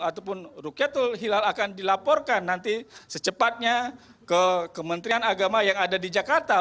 ataupun rukyatul hilal akan dilaporkan nanti secepatnya ke kementerian agama yang ada di jakarta